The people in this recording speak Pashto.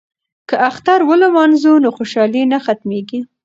که اختر ولمانځو نو خوشحالي نه ختمیږي.